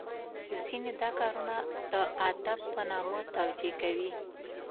ځینې دا کارونه د ادب په نامه توجه کوي .